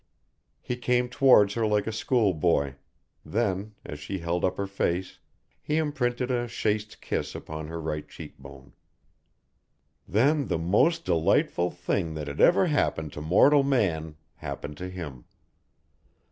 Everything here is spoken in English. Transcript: He came towards her like a schoolboy, then, as she held up her face he imprinted a chaste kiss upon her right cheek bone. Then the most delightful thing that ever happened to mortal man happened to him.